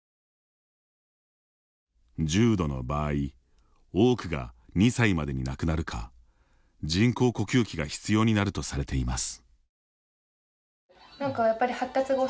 重度の場合、多くが２歳までに亡くなるか人工呼吸器が必要になるとされています。